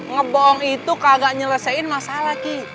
ngebom itu kagak nyelesain masalah ki